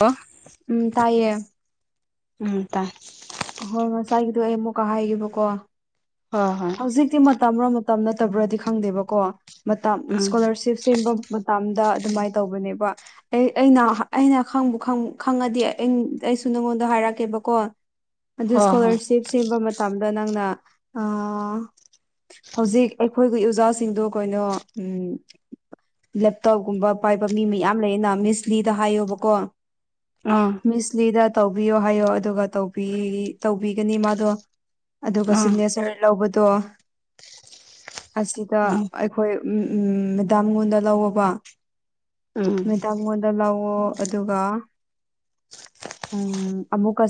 ꯑ ꯎꯝ ꯇꯥꯏꯌꯦ ꯎꯝ ꯇꯥꯏ ꯑꯍꯣꯏ ꯉꯁꯥꯏꯒꯤꯗꯨ ꯑꯩ ꯑꯃꯨꯛꯀ ꯍꯥꯏꯒꯦꯕꯀꯣ ꯍꯣꯏ ꯍꯣꯏ ꯍꯧꯖꯤꯛꯇꯤ ꯃꯇꯝꯔꯣ ꯇꯞꯅ ꯇꯧꯕ꯭ꯔꯥꯗꯤ ꯈꯪꯗꯦꯕꯀꯣ ꯃꯇꯝ ꯎꯝ ꯏꯁ꯭ꯀꯣꯂꯔꯁꯤꯞ ꯁꯦꯝꯕ ꯃꯇꯝ ꯃꯇꯝꯗ ꯑꯗꯨꯃꯥꯏ ꯇꯧꯕꯅꯦꯕ ꯑꯩ ꯑꯩꯅ ꯑꯩꯅ ꯈꯪꯕꯨ ꯈꯪꯉꯗꯤ ꯑꯩ ꯑꯩꯁꯨ ꯅꯉꯣꯟꯗ ꯍꯥꯏꯔꯛꯀꯦꯕꯀꯣ ꯑꯗꯨ ꯍꯣꯏ ꯍꯣꯏ ꯏꯁ꯭ꯀꯣꯂꯔꯁꯤꯞ ꯁꯦꯝꯕ ꯃꯇꯝꯗ ꯅꯪꯅ ꯑꯥꯥ ꯍꯧꯖꯤꯛ ꯑꯩꯈꯣꯏꯒꯤ ꯑꯣꯖꯥꯁꯤꯡꯗꯣ ꯀꯩꯅꯣ ꯎꯝ ꯂꯦꯞꯇꯣꯞꯀꯨꯝꯕ ꯄꯥꯏꯕ ꯃꯤ ꯃꯌꯥꯝ ꯂꯩꯌꯦꯅ ꯃꯤꯁ ꯂꯤꯗ ꯍꯥꯏꯌꯣꯕꯀꯣ ꯑꯥ ꯃꯤꯁꯂꯤꯗ ꯇꯧꯕꯤꯌꯣ ꯍꯥꯏꯌꯣ ꯑꯗꯨꯒ ꯇꯧꯕꯤ ꯇꯧꯕꯤꯒꯅꯤ ꯃꯥꯗꯣ ꯑꯗꯨꯒ ꯎꯝ ꯁꯤꯒꯅꯦꯆꯔ ꯂꯧꯕꯗꯣ ꯑꯁꯤꯗ ꯑꯩꯈꯣꯏ ꯎꯝ ꯎꯝ ꯃꯦꯗꯥꯝ ꯉꯣꯟꯗ ꯂꯧꯑꯣꯕ ꯎꯝ ꯃꯦꯗꯥꯝ ꯉꯣꯟꯗ ꯂꯧꯑꯣ ꯑꯗꯨꯒ ꯎꯝ ꯑꯃꯨꯛꯀ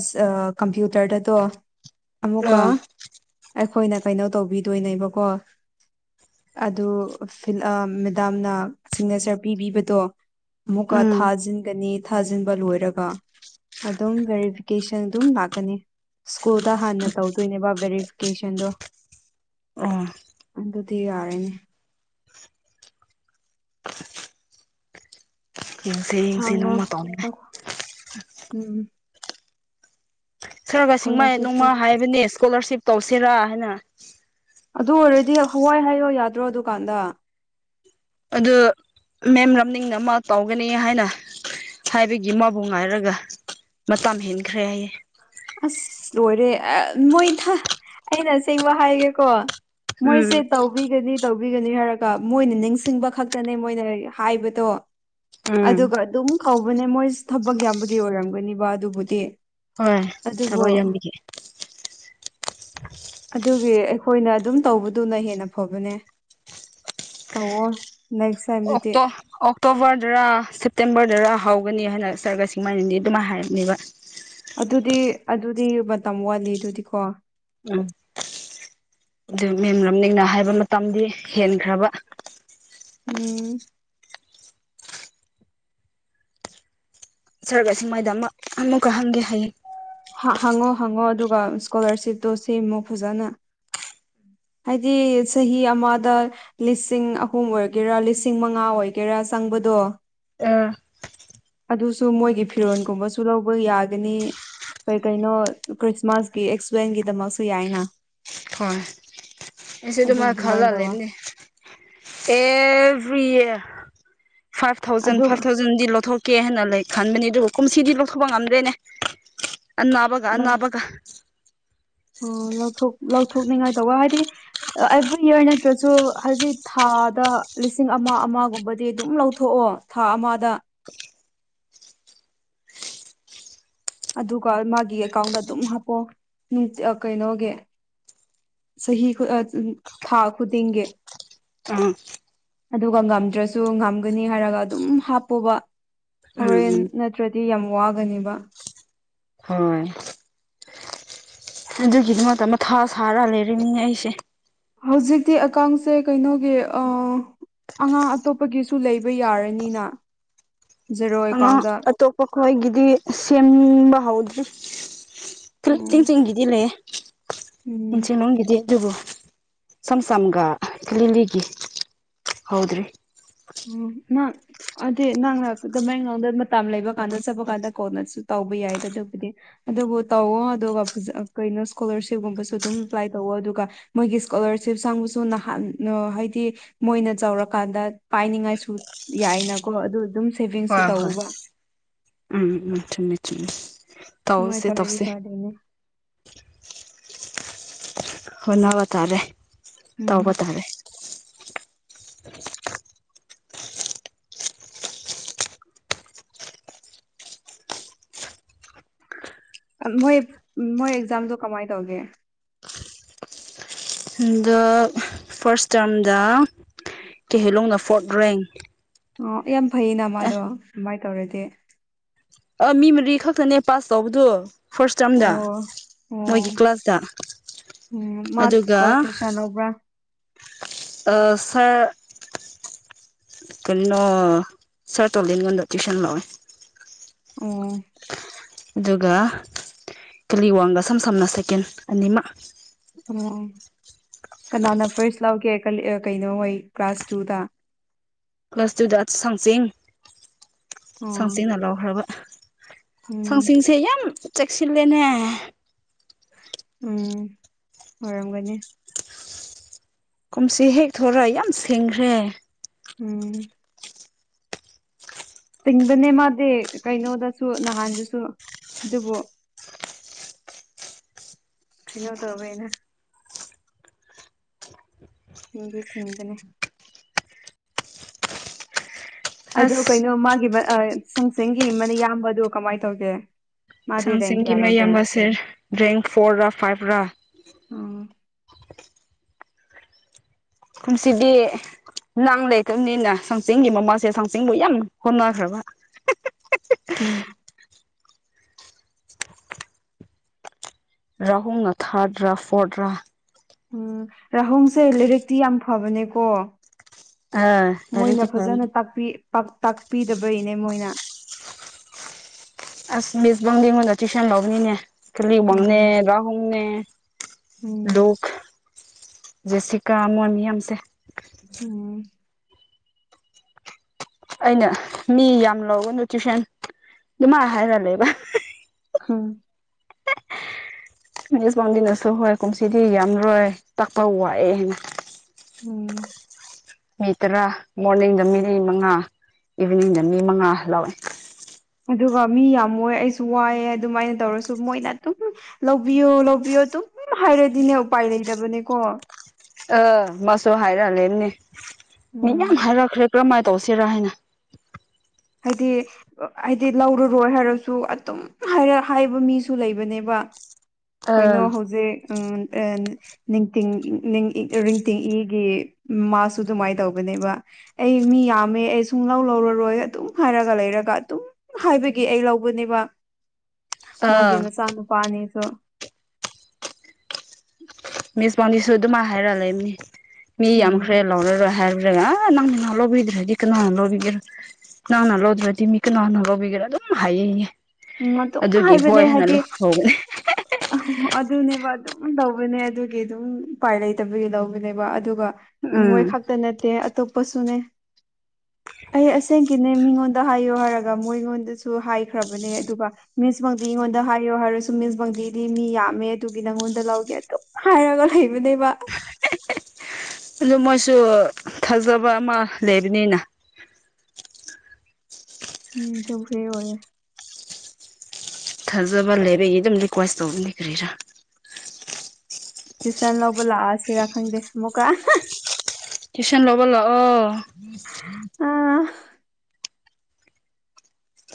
ꯀꯝꯄ꯭ꯌꯨꯇꯔꯗꯗꯣ ꯑꯃꯨꯛꯀ ꯑꯩꯈꯣꯏꯅ ꯀꯩꯅꯣ ꯇꯧꯕꯤꯗꯣꯏꯅꯦꯕꯀꯣ ꯑꯗꯨ ꯐꯤꯜꯎꯞ ꯃꯦꯗꯥꯝꯅ ꯁꯤꯛꯅꯦꯆꯔ ꯄꯤꯕꯤꯕꯗꯣ ꯎꯝ ꯑ ꯑꯃꯨꯛꯀ ꯎꯝ ꯊꯥꯖꯤꯟꯒꯅꯤ ꯊꯥꯖꯤꯟꯕ ꯂꯣꯏꯔꯒ ꯑꯗꯨꯝ ꯚꯦꯔꯤꯐꯤꯀꯦꯁꯟ ꯑꯗꯨꯝ ꯂꯥꯛ ꯀꯅꯤ ꯁꯀꯨꯜꯗ ꯍꯥꯟꯅ ꯇꯧꯗꯣꯏꯅꯦꯕ ꯚꯦꯔꯤꯐꯤꯀꯦꯁꯟꯗꯣ ꯑꯣ ꯑꯗꯨꯗꯤ ꯌꯥꯔꯦꯅꯦ ꯌꯦꯡꯁꯦ ꯌꯦꯡꯁꯦ ꯍꯪꯉꯣ ꯅꯣꯡꯃ ꯇꯧꯅꯤꯡꯉꯥꯏ [unintelligible] ꯎꯝ ꯈꯔꯒꯁꯤꯡꯃꯥꯏ ꯁ꯭ꯀꯣꯂꯔꯁꯤꯞꯁꯨ ꯅꯣꯡꯃꯥ ꯍꯥꯏꯕꯅꯦ ꯏꯁ꯭ꯀꯣꯂꯔꯁꯤꯞ ꯇꯧꯁꯤꯔꯥ ꯍꯥꯏꯅ ꯑꯗꯨ ꯑꯣꯏꯔꯗꯤ ꯍꯋꯥꯏ ꯍꯥꯏꯌꯣ ꯌꯥꯗ꯭ꯔꯣ ꯑꯗꯨꯀꯥꯟꯗ ꯑꯗꯨ ꯃꯦꯝ ꯔꯝꯅꯤꯡꯅ ꯃꯥ ꯇꯧꯒꯅꯤ ꯍꯥꯏꯅ ꯍꯥꯏꯕꯒꯤ ꯃꯕꯨ ꯉꯥꯏꯔꯒ ꯃꯇꯝ ꯍꯦꯟꯈ꯭ꯔꯦ ꯍꯥꯏꯌꯦ ꯑꯁ ꯂꯣꯏꯔꯦ ꯑꯦ ꯃꯣꯏꯊꯥ ꯑꯩꯅ ꯑꯁꯦꯡꯕ ꯍꯥꯏꯒꯦꯀꯣ ꯎꯝ ꯃꯣꯏꯁꯦ ꯇꯧ ꯇꯧꯕꯤꯒꯅꯤ ꯇꯧꯕꯤꯒꯅꯤ ꯍꯥꯏꯔꯒ ꯃꯣꯏꯅ ꯅꯤꯡꯁꯤꯡꯕ ꯈꯛꯇꯅꯦ ꯃꯣꯏꯅ ꯍꯥꯏꯕꯗꯣ ꯎꯝ ꯑꯗꯨꯒ ꯑꯗꯨꯝ ꯀꯧꯕꯅꯦ ꯃꯣꯏꯁꯦ ꯊꯕꯛ ꯌꯥꯝꯕꯒꯤ ꯑꯣꯏꯔꯝꯒꯅꯤꯕ ꯑꯗꯨꯕꯨꯗꯤ ꯍꯣꯏ ꯑꯗꯨꯕꯨ ꯊꯕꯛ ꯌꯥꯝꯕꯤꯒꯤ ꯑꯗꯨꯒꯤ ꯑꯩꯈꯣꯏꯅ ꯑꯗꯨꯝ ꯇꯧꯕꯗꯨꯅ ꯍꯦꯟꯅ ꯐꯕꯅꯦ ꯇꯧꯑꯣ ꯑꯣꯛꯇꯣ ꯑꯣꯛꯇꯣꯕꯔꯗꯔ ꯁꯦꯞꯇꯦꯝꯕꯔꯗꯔ ꯍꯧꯒꯅꯤ ꯍꯥꯏꯅ ꯁꯥꯔꯒꯁꯤꯃꯥꯏꯅꯗꯤ ꯑꯗꯨꯃꯥꯏꯅ ꯍꯥꯏꯔꯅꯦꯕ ꯑꯗꯨꯗꯤ ꯑꯗꯨꯗꯤ ꯃꯇꯝ ꯋꯥꯠꯂꯤ ꯑꯗꯨꯗꯤꯀꯣ ꯎꯝ ꯑꯗꯨ ꯃꯦꯝ ꯂꯝꯅꯤꯡꯅ ꯍꯥꯏꯕ ꯃꯇꯝꯗꯤ ꯍꯦꯟꯈ꯭ꯔꯕ ꯎꯝ ꯁꯔꯛꯁ ꯃꯥꯏꯗ ꯑꯃ ꯑꯃꯨꯛꯀ ꯍꯪꯒꯦ ꯍꯌꯦꯡ ꯍꯪꯉꯣ ꯍꯪꯉꯣ ꯑꯗꯨꯒ ꯏꯁꯀꯣꯂꯥꯔꯁꯤꯞꯇꯣ ꯁꯦꯝꯃꯣ ꯐꯖꯅ ꯍꯥꯏꯗꯤ ꯆꯍꯤ ꯑꯃꯗ ꯂꯤꯁꯤꯡ ꯑꯍꯨꯝ ꯑꯣꯏꯒꯦꯔꯥ ꯂꯤꯁꯤꯡ ꯃꯉꯥ ꯑꯣꯏꯒꯦꯔꯥ ꯆꯪꯕꯗꯣ ꯑ ꯑꯗꯨꯁꯨ ꯃꯣꯏꯒꯤ ꯐꯤꯔꯣꯜꯒꯨꯝꯕꯁꯨ ꯂꯧꯕ ꯌꯥꯒꯅꯤ ꯀꯩ ꯀꯩꯅꯣ ꯈ꯭ꯔꯤꯁꯃꯥꯁꯀꯤ ꯑꯦꯛꯁꯄꯦꯟꯒꯤꯗꯃꯛꯁꯨ ꯌꯥꯏꯅ ꯍꯣꯏ ꯑꯩꯁꯨ ꯑꯗꯨ ꯑꯗꯨꯝ ꯃꯥꯏ ꯈꯜꯂ ꯑꯗꯨꯃꯥꯏꯅ ꯇꯧꯋ ꯂꯩꯕꯅꯦ ꯑꯦꯚ꯭ꯔꯤ ꯌꯔ ꯐꯥꯏꯚ ꯊꯥꯎꯖꯟ ꯑꯗꯨꯒ ꯐꯥꯏꯚ ꯊꯥꯎꯖꯟ [unintelligible] ꯗꯤ ꯂꯧꯊꯣꯛꯀꯦ ꯍꯥꯏꯅ ꯂꯩ ꯈꯟꯕꯅꯦ ꯑꯗꯨꯒ ꯀꯨꯝꯁꯤꯗꯤ ꯂꯧꯊꯣꯛꯄ ꯉꯝꯗ꯭ꯔꯦꯅꯦ ꯑꯅꯥꯕꯒ ꯑꯅꯥꯕꯒ ꯑꯣ ꯂꯧꯊꯣꯛ ꯂꯧꯊꯣꯛꯅꯤꯡꯉꯥꯏ ꯇꯧꯕ ꯍꯥꯏꯗꯤ ꯑꯦꯚ꯭ꯔꯤ ꯌꯔ ꯅꯠꯇ꯭ꯔꯁꯨ ꯍꯧꯖꯤꯛ ꯊꯥꯗ ꯂꯤꯁꯤꯡ ꯑꯃ ꯑꯃꯒꯨꯝꯕꯗꯤ ꯑꯗꯨꯝ ꯂꯧꯊꯣꯛꯑꯣ ꯊꯥ ꯑꯃꯗ ꯑꯗꯨꯒ ꯃꯥꯒꯤ ꯑꯦꯀꯥꯎꯟꯗ ꯑꯗꯨꯝ ꯍꯥꯞꯄꯑꯣ ꯀꯩꯅꯣꯒꯤ ꯆꯍꯤ ꯊꯥ ꯈꯨꯗꯤꯡꯒꯤ ꯑꯥ ꯑꯗꯨꯒ ꯉꯝꯗ꯭ꯔꯁꯨ ꯉꯝꯒꯅꯤ ꯍꯥꯏꯔꯒ ꯑꯗꯨꯝ ꯍꯥꯞꯄꯣꯕ ꯍꯣꯔꯦꯟ ꯎꯝ ꯅꯠ ꯅꯠꯇ꯭ꯔꯗꯤ ꯌꯥꯝ ꯋꯥꯒꯅꯦꯕ꯫ ꯍꯣꯏ ꯑꯗꯨꯒꯤꯗꯨꯃꯛꯇ ꯃꯊꯥ ꯁꯥꯔ ꯂꯩꯔꯤꯅꯤ ꯑꯩꯁꯦ꯫ ꯍꯧꯖꯤꯛꯇꯤ ꯑꯀꯥꯎꯟꯁꯦ ꯀꯩꯅꯣꯒꯤ ꯑꯥ ꯑꯉꯥꯡ ꯑꯇꯣꯞꯄꯒꯤꯁꯨ ꯂꯩꯕ ꯌꯥꯔꯅꯤꯅ ꯖꯦꯔꯣ ꯑ ꯑꯦꯀꯥꯎꯟꯗ ꯑꯇꯣꯞꯄ ꯈꯣꯏꯒꯤꯗꯤ ꯁꯦꯝꯕ ꯍꯧꯗ꯭ꯔꯤ ꯈꯂ ꯎꯝ ꯇꯤꯟ ꯆ ꯀꯤꯗꯤ ꯂꯦ ꯎꯝ ꯏꯁꯤꯅꯤꯗꯤ ꯑꯗꯨꯕꯣ ꯁꯝ ꯁꯝꯒ ꯀꯂꯤꯒꯤ ꯍꯧꯗ꯭ꯔꯤ ꯑꯣ ꯅ ꯑꯗꯨꯗꯤ ꯅꯪꯅ ꯑꯗꯨꯃꯥꯏꯉꯣꯟꯗ ꯃꯇꯝ ꯂꯩꯕ ꯀꯥꯟꯗ ꯆꯠꯄ ꯀꯥꯟꯗ ꯀꯣꯟꯅꯁꯨ ꯇꯧꯕ ꯌꯥꯏꯗ ꯑꯗꯨꯕꯨꯗꯤ꯫ ꯑꯗꯨꯕꯨ ꯇꯧꯋꯣ ꯑꯗꯨꯒ ꯐꯖ ꯀꯩꯅꯣ ꯏꯁꯀꯣꯂꯔꯁꯤꯞꯀꯨꯝꯕꯁꯨ ꯑꯗꯨꯝ ꯑꯦꯄ꯭ꯂꯥꯏ ꯇꯧꯋꯣ ꯑꯗꯨꯒ ꯃꯣꯏꯒꯤ ꯏꯁꯀꯣꯂꯥꯔꯁꯤꯞ ꯆꯪꯕꯁꯨ ꯅꯍꯥꯟꯅ ꯍꯥꯏꯗꯤ ꯃꯣꯏꯅ ꯆꯥꯎꯔꯀꯥꯟꯗ ꯄꯥꯏꯅꯤꯉꯥꯏꯁꯨ ꯌꯥꯏꯅꯀꯣ ꯑꯗꯨ ꯑꯗꯨꯝ ꯁꯦꯚꯤꯡꯁꯨ ꯍꯣꯏ- ꯍꯣꯏ ꯇꯧꯕ ꯎꯝ - ꯎꯝ ꯆꯨꯝꯃꯦ - ꯆꯨꯝꯃꯦ꯫ ꯃꯥꯏ ꯇꯧꯁꯦ ꯇꯧꯔꯗꯤ ꯇꯧꯁꯦ ꯐꯥꯗꯣꯏꯅꯦ꯫ ꯍꯣꯠꯅꯕ ꯇꯥꯔꯦ ꯎꯝ ꯇꯧꯕ ꯇꯥꯔꯦ꯫ ꯃꯣꯏ ꯃꯣꯏ ꯑꯦꯛꯖꯥꯝꯗꯣ ꯀꯃꯥꯏ ꯇꯧꯒꯦ? ꯍꯟꯗꯛ ꯐꯥꯔꯁ ꯇꯥꯔꯝꯗ ꯀꯦꯍꯦꯂꯣꯡꯅ ꯐꯣꯔꯠ ꯔꯦꯡ꯫ ꯑꯣ ꯌꯥꯝ ꯐꯩꯌꯦꯅ ꯃꯥꯗꯣ ꯑꯗꯨꯃꯥꯏ ꯇꯧꯔꯗꯤ꯫ ꯑ ꯃꯤ ꯃꯔꯤ ꯈꯛꯇꯅꯦ ꯄꯥꯁ ꯇꯧꯕꯗꯨ꯫ ꯐꯥꯔꯁ ꯇꯥꯔꯝꯗ ꯑꯣ ꯃꯣꯏꯒꯤ ꯑꯣ ꯀ꯭ꯂꯥꯁꯇ ꯎꯝ ꯃꯥ ꯑꯗꯨꯒ [unintelligible] ꯂꯧꯕꯔ꯭? ꯑꯥ ꯁꯔ ꯀꯩꯔꯤꯅꯣ ꯁꯥꯔ ꯇꯣꯂꯤꯟꯉꯣꯟꯗ ꯇꯨꯏꯁꯟ ꯂꯩꯋꯦ꯫ ꯑꯣ ꯑꯗꯨꯒ ꯇꯂꯤ ꯋꯥꯡꯒ ꯁꯝ ꯁꯝꯅ ꯁꯦꯀꯦꯟ ꯑꯅꯤꯃꯛ꯫ ꯑꯣ ꯀꯅꯥꯅ ꯐꯥꯔꯁ ꯂꯧꯒꯦ ꯀꯂꯤ ꯀꯩꯅꯣ ꯍꯣꯏ ꯀ꯭ꯂꯥꯁ ꯇꯨꯗ? ꯀꯂ꯭ꯥꯁ ꯇꯨꯗ ꯁꯥꯡꯆꯤꯡ ꯑꯣ ꯁꯥꯡꯆꯤꯡꯅ ꯂꯧꯈ꯭ꯔꯕ꯫ ꯎꯝ ꯁꯥꯡꯆꯤꯡꯁꯦ ꯌꯥꯝ ꯆꯦꯛꯁꯤꯜꯂꯦꯅꯦ꯫ ꯎꯝ ꯑꯣꯏꯔꯝꯒꯅꯤ꯫ ꯀꯨꯝꯁꯤ ꯍꯦꯛ ꯊꯣꯔ ꯌꯥꯝ ꯁꯦꯡꯈ꯭ꯔꯦ꯫ ꯎꯝ ꯇꯤꯡꯕꯅꯦ ꯃꯥꯗꯤ ꯀꯩꯅꯣꯗꯁꯨ ꯅꯍꯥꯟꯗꯁꯨ ꯑꯗꯨꯕꯨ ꯀꯩꯅꯣ ꯇꯧꯋꯦꯅ ꯁꯤꯡꯗꯤ ꯁꯤꯡꯕꯅꯦ꯫ ꯑꯗꯣ ꯑꯁ ꯀꯩꯅꯣ ꯃꯥꯒꯤ ꯃ ꯑ ꯁꯨꯡꯆꯤꯡꯒꯤ ꯃꯌꯥꯝꯕꯗꯣ ꯀꯃꯥꯏ ꯇꯧꯒꯦ? ꯃꯥꯗꯤ ꯔꯦꯡ ꯁꯨꯡꯆꯤꯡꯒꯤ ꯀꯌꯥ ꯂꯧꯒꯦ ꯃꯌꯥꯝꯕꯁꯦ ꯔꯦꯡ ꯐꯣꯔꯔ ꯐꯥꯏꯚꯔ ꯎꯝ ꯀꯨꯟꯁꯤꯗꯤ ꯅꯪ ꯂꯩꯇꯕꯅꯤꯅ ꯁꯨꯡꯆꯤꯡꯒꯤ ꯃꯃꯥꯁꯦ ꯁꯨꯡꯆꯤꯡꯕꯨ ꯌꯥꯝ ꯍꯣꯠꯅꯈ꯭ꯔꯕ꯫ ꯎꯝ ꯔꯥꯍꯨꯝꯅ ꯊꯥꯔꯠ꯭ꯔꯥ ꯐꯣꯔꯠ꯭ꯔꯥ ꯎꯝ ꯔꯥꯍꯣꯡꯁꯦ ꯂꯥꯏꯔꯤꯛꯇꯤ ꯌꯥꯝ ꯐꯕꯅꯦꯀꯣ꯫ ꯑꯥ ꯂꯥꯏꯔꯤꯛꯇꯤ ꯃꯣꯏꯅ ꯐꯕꯅꯤ ꯐꯖꯅ ꯇꯥꯛꯄꯤ ꯇꯥꯛꯄꯤꯗꯕꯩꯅꯦ ꯃꯣꯏꯅ꯫ ꯑꯁ ꯃꯤꯁ ꯕꯪꯗꯤꯉꯣꯟꯗ ꯇꯨꯏꯁꯟ ꯂꯧꯕꯅꯤꯅꯦ ꯀꯂꯤꯡꯋꯥꯡꯅꯦ ꯎꯝ ꯔꯍꯨꯡꯅꯦ ꯎꯝ [unintelligible] ꯖꯦꯁꯤꯀꯥ ꯃꯣꯏ ꯃꯌꯥꯝꯁꯦ ꯎꯝ ꯑꯩꯅ ꯃꯤ ꯌꯥꯝ ꯂꯧꯒꯅꯨ ꯇ꯭ꯌꯨꯁꯟ ꯑꯗꯨꯃꯥꯏꯅ ꯍꯥꯏꯔ ꯂꯩꯕ ꯍꯥꯝ ꯃꯤꯁ ꯋꯥꯡꯂꯤꯅꯁꯨ ꯍꯣꯏ ꯀꯨꯝꯁꯤꯗꯤ ꯌꯥꯝꯔꯣꯏ ꯇꯥꯛꯄ ꯋꯥꯑꯦꯅ ꯎꯝ ꯃꯤ ꯇꯔꯥ ꯃꯣꯔꯅꯤꯡꯗ ꯃꯤ ꯃꯉꯥ ꯏꯚꯤꯅꯤꯡꯗ ꯃꯤ ꯃꯉꯥ ꯂꯧꯋꯤ ꯑꯗꯨꯒ ꯃꯤ ꯌꯥꯝꯃ ꯑꯩꯁꯨ ꯋꯥꯏꯑꯦ ꯑꯗꯨꯃꯥꯏꯅ ꯇꯧꯔꯁꯨ ꯃꯣꯏꯅ ꯑꯗꯨꯝ ꯂꯧꯕꯤꯌꯣ ꯂꯧꯕꯤꯌꯣ ꯑꯗꯨꯨꯝ ꯍꯥꯏꯔꯗꯤꯅꯦ ꯎꯄꯥꯏ ꯂꯩꯇꯕꯅꯦꯀꯣ ꯑ ꯃꯁꯨ ꯍꯥꯏꯔꯛꯂꯦꯅꯦ ꯃꯤ ꯌꯥꯝ ꯎꯝ ꯍꯥꯏꯔꯛꯈ꯭ꯔꯦ ꯀꯔꯝꯍꯥꯏꯅ ꯇꯧꯁꯤꯔ ꯍꯥꯏꯅ ꯍꯥꯏꯗꯤ ꯍꯥꯏꯗꯤ ꯂꯧꯔꯔꯣꯏ ꯍꯥꯏꯔꯁꯨ ꯑꯗꯨꯝ ꯍꯥꯏꯔꯛ ꯍꯥꯏꯕ ꯃꯤꯁꯨ ꯂꯩꯕꯅꯦꯕ꯫ ꯑꯥ ꯀꯩꯅꯣ ꯍꯧꯖꯤꯛ ꯎꯝ ꯑꯦꯟ ꯅꯤꯡꯇꯤꯡ ꯔꯤꯡꯇꯤꯡ ꯏꯒꯤ ꯃꯃꯥꯁꯨ ꯑꯗꯨꯃꯥꯏ ꯇꯧꯕꯅꯦꯕ꯫ ꯑꯩ ꯃꯤ ꯌꯥꯝꯃꯦ ꯑꯩ ꯁꯨꯡ ꯂꯧ ꯂꯧꯔꯔꯣꯏ ꯑꯗꯨꯝ ꯍꯥꯏꯔꯒ ꯂꯩꯔꯒ ꯑꯗꯨꯝ ꯍꯥꯏꯕꯒꯤ ꯑꯩ ꯂꯧꯕꯅꯦꯕ꯫ ꯃꯥꯒꯤ ꯑꯥ ꯃꯆꯥ ꯅꯨꯄ ꯑꯅꯤꯗꯣ ꯃꯤꯁ ꯋꯥꯡꯅꯤꯁꯨ ꯑꯗꯨꯝꯃꯥꯏ ꯍꯥꯏꯔ ꯂꯩꯕꯅꯤ ꯃꯤ ꯌꯥꯝꯈ꯭ꯔꯦ ꯎꯝ ꯂꯧꯔꯔꯣꯏ ꯍꯥꯏꯔ ꯭ꯔꯦ ꯅꯪꯅ ꯂꯧꯕꯤꯗ꯭ꯔꯦꯗꯤ ꯀꯥꯅ ꯅ ꯂꯣꯕꯤꯒꯦꯔ ꯅꯪꯅ ꯂꯧꯗ꯭ꯔꯗꯤ ꯃꯤ ꯀꯅꯥꯅ ꯂꯧꯕꯤꯒꯦꯔꯥ ꯑꯗꯨꯝ ꯍꯥꯏꯌꯦꯌꯦ ꯑꯗꯨꯝ ꯑꯗꯨꯒꯤ ꯍꯣꯏ ꯍꯥꯏꯅ ꯂꯩꯍꯧꯕꯅꯤ ꯑ ꯑꯗꯨꯅꯦꯕ ꯑꯗꯨꯝ ꯇꯧꯕꯅꯦ ꯑꯗꯨꯒꯤ ꯑꯗꯨꯝ ꯎꯄꯥꯏ ꯂꯩꯇꯕꯒꯤ ꯂꯧꯕꯅꯦꯕ ꯑꯗꯨꯒ ꯎꯝ ꯃꯣꯏ ꯈꯛꯇ ꯅꯠꯇꯦ ꯑꯇꯣꯞꯄꯁꯨꯅꯦ ꯑꯩ ꯑꯁꯦꯡꯀꯤꯅꯦ ꯃꯤꯉꯣꯟꯗ ꯍꯥꯏꯌꯣ ꯍꯥꯏꯔꯒ ꯃꯣꯏꯉꯣꯟꯗꯁꯨ ꯍꯥꯏꯈ꯭ꯔꯕꯅꯦ ꯑꯗꯨꯒ ꯃꯤꯁ ꯐꯪꯗꯤ ꯑꯩꯉꯣꯟꯗ ꯍꯥꯏꯌꯣ ꯍꯥꯏꯔꯁꯨ ꯃꯤꯁ ꯐꯪꯗꯤꯗꯤ ꯃꯤ ꯌꯥꯝꯃꯦ ꯑꯗꯨꯒꯤ ꯅꯪꯉꯣꯟꯗ ꯂꯧꯒꯦ ꯑꯗꯣ ꯍꯥꯏꯔꯒ ꯂꯩꯕꯅꯦꯕ ꯑꯗꯨ ꯃꯣꯏꯁꯨ ꯊꯥꯖꯕ ꯑꯃ ꯂꯩꯕꯅꯤꯅ ꯎꯝ ꯆꯧꯁꯦ ꯑꯣꯏꯌꯦ ꯊꯥꯖꯕ ꯂꯩꯕꯒꯤ ꯑꯗꯨꯝ ꯔꯤꯀ꯭ꯋꯦꯁ ꯇꯧꯕꯅꯤ ꯀꯔꯤꯔꯥ ꯇ꯭ꯌꯨꯁꯟ ꯂꯧꯕ ꯂꯥꯛꯑꯁꯤꯔ ꯈꯪꯗꯦ ꯑꯃꯨꯛꯀ ꯇꯨꯏꯁꯟ ꯂꯣꯕꯂꯥꯛꯑꯣ ꯎꯝ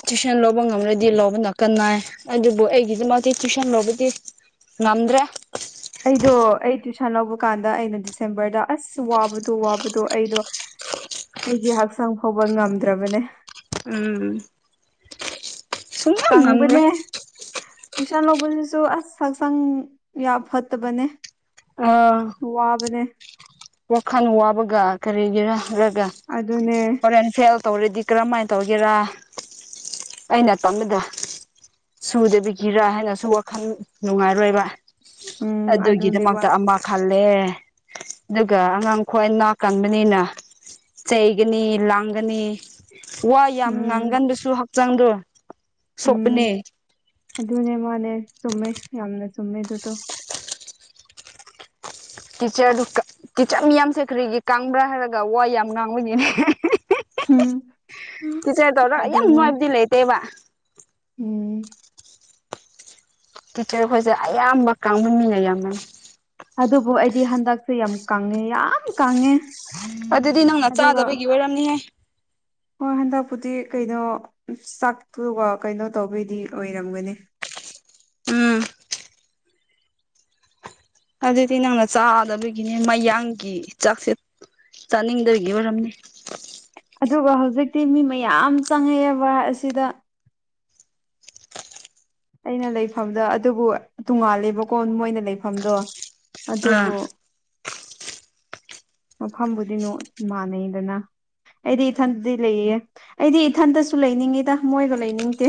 ꯇꯨꯏꯁꯟ ꯂꯧꯕ ꯉꯝꯂꯗꯤ ꯂꯧꯕꯅ ꯀꯥꯟꯅꯩ ꯑꯗꯨꯕꯨ ꯑꯩꯒꯤꯗꯃꯛꯇꯤ ꯇꯨꯏꯁꯟ ꯂꯧꯕꯗꯤ ꯉꯝꯗ꯭ꯔꯦ ꯑꯩꯗꯣ ꯑꯩ ꯇ꯭ꯨꯁꯟ ꯂꯧꯕ ꯀꯥꯟꯗ ꯑꯩꯅ ꯗꯤꯁꯦꯝꯕꯔꯗ ꯑꯁ ꯋꯥꯕꯗꯣ ꯋꯥꯕꯗꯣ ꯑꯩꯗꯣ ꯑꯩꯒꯤ ꯍꯛꯆꯥꯡ ꯐꯥꯎꯕ ꯉꯝꯗ꯭ꯔꯕꯅꯦ ꯎꯝ ꯁꯨꯡꯉꯝ ꯉꯝꯔꯣꯏ ꯀꯪꯕꯅꯦ ꯇ꯭ꯏꯁꯟ ꯂꯧꯕꯁꯤꯁꯨ ꯑꯁ ꯁꯛꯁꯪ ꯌꯥ ꯐꯠꯇꯕꯅꯦ ꯑꯥ ꯁꯋꯥꯕꯅꯦ ꯋꯥꯈꯜ ꯋꯥꯕꯒ ꯀꯔꯤꯒꯤꯔ ꯍꯥꯢꯔꯒ ꯑꯗꯨꯅꯦ ꯍꯣꯔꯦꯟ ꯐꯦꯜ ꯇꯧꯔꯗꯤ ꯀꯔꯝ ꯃꯥꯏ ꯇꯧꯒꯦꯔꯥ ꯑꯩꯅ ꯇꯝꯕꯗ ꯁꯨꯗꯕꯤꯒꯤꯔꯥ ꯍꯥꯏꯅꯁꯨ ꯋꯥꯈꯜ ꯅꯨꯡꯉꯥꯏꯔꯣꯏꯕ ꯎꯝ ꯑꯗꯨꯅꯦꯕ ꯑꯗꯨꯒꯤꯗꯃꯛꯇ ꯑꯃ ꯈꯜꯂꯦ ꯑꯗꯨꯒ ꯑꯉꯥꯡ ꯈ꯭ꯋꯥꯏꯅꯥ ꯀꯟꯕꯅꯤꯅ ꯆꯩꯒꯅꯤ ꯂꯥꯡꯒꯅꯤ ꯋꯥ ꯌꯥꯝ ꯎꯝ ꯉꯥꯡꯒꯟꯕꯁꯨ ꯍꯛꯆꯥꯡꯗꯣ ꯁꯣꯛꯄꯅꯦ ꯎꯝ ꯑꯗꯨꯅꯦ ꯃꯥꯅꯦ ꯆꯨꯝꯃꯦ ꯌꯥꯝꯅ ꯆꯨꯝꯃꯦꯗꯨꯇꯣ ꯀꯤꯆꯔꯗꯨ ꯀꯤꯆꯔ ꯃꯤꯌꯥꯝꯁꯦ ꯈꯔꯤꯒꯤ ꯀꯪꯕ꯭ꯔꯥ ꯍꯥꯏꯔꯒ ꯋꯥ ꯌꯥꯝ ꯉꯥꯡꯕꯅꯤꯅꯦ ꯎꯝ ꯇꯤꯆꯔꯗꯧꯔ ꯌꯥꯝ ꯑꯗꯨꯅꯦ ꯅꯨꯡꯉꯥꯏꯕꯗꯤ ꯂꯩꯇꯦꯕ ꯎꯝ ꯇꯤꯆꯔꯈꯣꯏꯁꯦ ꯑꯌꯥꯝꯕ ꯀꯥꯡꯕꯨꯟꯃꯤꯟꯅ ꯌꯥꯝꯃ ꯑꯗꯨꯕꯨ ꯑꯩꯗꯤ ꯍꯟꯗꯛꯁꯦ ꯌꯥꯝ ꯀꯪꯉꯦ ꯌꯥꯝ ꯀꯥꯡꯉꯦ ꯑꯗꯨꯗꯤ ꯅꯪꯅ ꯆꯥꯗꯕꯒꯤ ꯋꯥꯔꯝꯅꯤꯍꯦ ꯍꯣꯏ ꯍꯟꯗꯛꯄꯨꯗꯤ ꯀꯩꯅꯣ ꯆꯥꯛꯇꯨꯒ ꯀꯩꯅꯣ ꯇꯧꯕꯩꯗꯤ ꯑꯣꯏꯔꯝꯒꯅꯤ ꯎꯝ ꯑꯗꯨꯗꯤ ꯅꯪꯅ ꯆꯥꯗꯕꯒꯤꯅꯦ ꯃꯌꯥꯡꯒꯤ ꯆꯥꯛꯁꯦ ꯆꯥꯅꯤꯡꯗꯕꯒꯤ ꯑꯣꯏꯔꯝꯅꯤ ꯑꯗꯨꯒ ꯍꯧꯖꯤꯛꯇꯤ ꯃꯤ ꯃꯌꯥꯝ ꯆꯪꯉꯛꯑꯦꯕ ꯑꯁꯤꯗ ꯑꯩꯅ ꯂꯩꯐꯝꯗ ꯑꯗꯨꯕꯨ ꯇꯣꯡꯉꯥꯜꯂꯦꯕꯀꯣ ꯃꯣꯏꯅ ꯂꯩꯐꯝꯗꯣ ꯑꯥ ꯑꯗꯨꯕꯨ ꯃꯐꯝꯕꯨꯗꯤ ꯅꯨ ꯃꯥꯟꯅꯩꯗꯅ ꯑꯩꯗꯤ ꯏꯊꯟꯗꯗꯤ ꯂꯩꯌꯦ ꯑꯩꯗꯤ ꯏꯊꯟꯇꯁꯨ ꯂꯩꯅꯤꯡꯉꯤꯗ ꯃꯣꯏꯒ ꯂꯩꯅꯤꯡꯗꯦ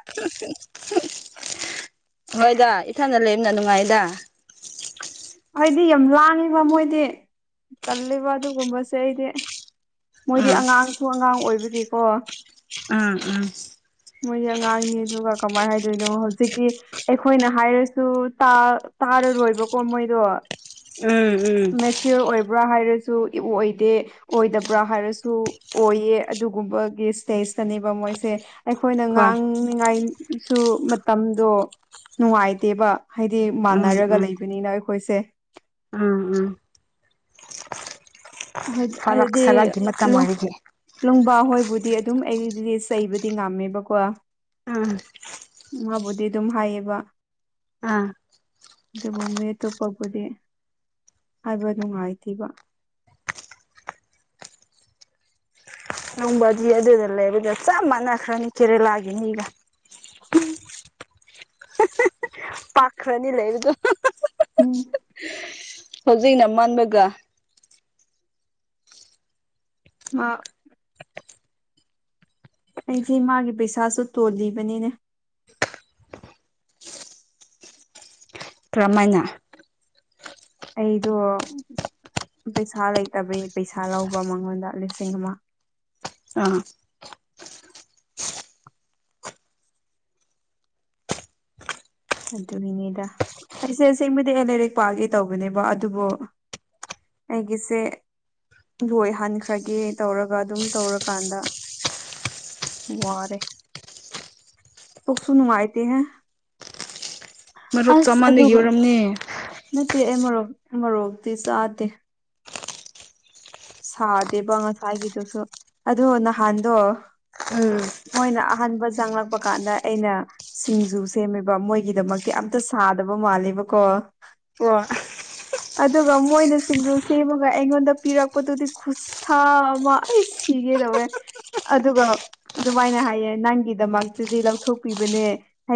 ꯎ ꯍꯣꯏꯗ ꯏꯊꯗ ꯂꯩꯦꯝꯅ ꯅꯨꯡꯉꯥꯏꯗ ꯑꯩꯗꯤ ꯌꯥꯝ ꯂꯥꯡꯉꯤꯕ ꯃꯣꯏꯗꯤ ꯇꯜꯂꯤꯕ ꯑꯗꯨꯒꯨꯝꯕꯁꯦ ꯑꯩꯗꯤ ꯃꯣꯏꯗꯤ ꯑꯥ ꯑꯉꯥꯡꯁꯨ ꯑꯉꯥꯡ ꯑꯣꯏꯕꯒꯤꯀꯣ ꯎꯝ ꯎꯝ ꯃꯣꯏꯗꯤ ꯑꯉꯥꯡꯅꯤ ꯑꯗꯨꯒ ꯀꯃꯥꯏꯅ ꯍꯥꯏꯗꯣꯏꯅꯣ ꯍꯧꯖꯤꯛꯇꯤ ꯑꯩꯈꯣꯏꯅ ꯍꯥꯏꯔꯁꯨ ꯇꯥꯔꯔꯣꯏꯕꯀꯣ ꯃꯣꯏꯗꯣ ꯎꯝ ꯎꯝ ꯐꯤꯌꯔ ꯑꯣꯏꯕ꯭ꯔꯥ ꯍꯥꯏꯔꯁꯨ ꯏꯑꯣ ꯑꯣꯏꯗꯦ ꯑꯣꯏꯗꯕ꯭ꯔꯥ ꯍꯥꯏꯔꯁꯨ ꯑꯣꯏꯌꯦ ꯑꯗꯨꯒꯨꯝꯕꯒꯤ ꯏꯁꯇꯦꯖꯇꯅꯦꯕ ꯃꯣꯏꯁꯦ ꯑꯩꯈꯣꯏꯅ ꯍꯣꯏ ꯉꯥꯡꯅꯤꯉꯥꯏꯁꯨ ꯃꯇꯝꯗꯣ ꯅꯨꯡꯉꯥꯏꯇꯦꯕ ꯍꯥꯏꯗꯤ ꯎꯝ ꯃꯥꯟꯅꯔꯒ ꯎꯝ ꯂꯩꯕꯅꯤꯅ ꯑꯩꯈꯣꯏꯁꯦ ꯎꯝ ꯎꯝ ꯐꯔꯛ ꯍꯥꯏꯗꯤ ꯁꯔꯛꯒꯤ ꯃꯇꯝ ꯂꯣ ꯑꯣꯏꯕꯒꯤ ꯂꯨꯡꯕꯥ ꯍꯣꯏꯕꯨꯗꯤ ꯑꯗꯨꯝ ꯑꯩꯗꯤ ꯆꯩꯕꯗꯤ ꯉꯝꯃꯦꯕꯀꯣ ꯎꯝ ꯃꯥꯕꯨꯗꯤ ꯑꯗꯨꯝ ꯍꯥꯏꯌꯦꯕ ꯑꯥ ꯑꯗꯨꯕꯨ ꯃꯤ ꯑꯇꯣꯞꯄꯕꯨꯗꯤ ꯍꯥꯏꯕ ꯅꯨꯡꯉꯥꯏꯇꯦꯕ ꯅꯣꯡꯕꯗꯤ ꯑꯗꯨꯗ ꯂꯩꯕꯗ ꯆꯞ ꯃꯥꯟꯅꯈ꯭ꯔꯅꯤ ꯀꯦꯔꯦꯂꯥꯒꯤ ꯃꯤꯒ ꯎꯝ ꯄꯥꯛꯈꯔꯅꯤ ꯂꯩꯕꯗꯣ ꯎꯝ ꯍꯧꯖꯤꯛꯅ ꯃꯥꯟꯕꯒ ꯑ ꯑꯩꯁꯦ ꯃꯥꯒꯤ ꯄꯩꯁꯥꯁꯨ ꯇꯣꯜꯂꯤꯕꯅꯤꯅꯦ ꯀꯔꯝꯃꯥꯏꯅ ꯑꯩꯗꯣ ꯄꯩꯁꯥ ꯂꯩꯇꯕꯩ ꯄꯩꯁꯥ ꯂꯧꯕ ꯃꯉꯣꯟꯗ ꯂꯤꯁꯤꯡ ꯑꯃ ꯑ ꯑꯗꯨꯒꯤꯅꯦꯗ ꯑꯩꯁꯦ ꯑꯥꯁꯦꯡꯕꯗꯤꯅꯦ ꯂꯩꯔꯤꯛ ꯄꯥꯒꯦ ꯇꯧꯕꯅꯦꯕ ꯑꯗꯨꯕꯨ ꯑꯩꯒꯤꯁꯦ ꯂꯣꯏꯍꯟꯈ꯭ꯔꯒꯦ ꯇꯧꯔꯒ ꯑꯗꯨꯝ ꯇꯧꯔꯀꯥꯟꯗ ꯋꯥꯔꯦ ꯄꯨꯛꯁꯨ ꯅꯨꯡꯉꯥꯏꯇꯦꯍꯦ ꯃꯔꯣꯛ ꯑꯁ ꯆꯥꯃꯟꯕꯒꯤ ꯑꯗꯨꯒ ꯑꯣꯏꯔꯝꯅꯤ ꯅꯠꯇꯦ ꯑꯩ ꯃꯔꯣꯛ ꯃꯔꯣꯛꯇꯤ ꯆꯥꯗꯦ ꯁꯥꯗꯦꯕ ꯉꯁꯥꯏꯒꯤꯗꯨꯁꯨ ꯑꯗꯣ ꯅꯍꯥꯟꯗꯣ ꯎꯝ ꯃꯣꯏꯅ ꯑꯍꯥꯟꯕ ꯆꯪꯂꯛꯄ ꯀꯥꯟꯗ ꯑꯩꯅ ꯁꯤꯡꯖꯨ ꯁꯦꯝꯃꯦꯕ ꯃꯣꯏꯒꯤꯗꯃꯛꯇꯤ ꯑꯝꯇ ꯁꯥꯗꯕ ꯃꯥꯜꯂꯦꯕꯀꯣ [unintelligible] ꯑꯗꯨꯒ ꯃꯣꯏꯅ ꯁꯤꯡꯖꯨ ꯁꯦꯝꯃꯒ ꯑꯩꯉꯣꯟꯗ ꯄꯤꯔꯛ ꯄꯗꯨꯗꯤ ꯈꯨꯨꯁꯥ ꯑꯃꯥ ꯁꯤꯒꯦꯗꯧꯋꯦ ꯑꯗꯨꯒ ꯑꯗꯨꯃꯥꯏꯅ ꯍꯥꯏꯌꯦ ꯅꯪꯒꯤꯗꯃꯛꯇꯗꯤ ꯂꯧꯊꯣꯛꯄꯤꯕꯅꯦ